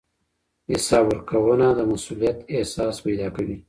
حساب ورکوونه د مسؤلیت احساس پیدا کوي.